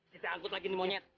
kita angkut lagi ini monyet